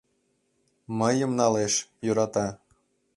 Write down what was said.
Мыйым налеш, йӧрата